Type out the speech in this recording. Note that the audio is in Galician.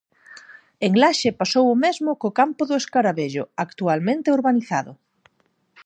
En Laxe pasou o mesmo co campo do escaravello, actualmente urbanizado.